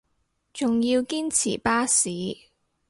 仲要堅持巴士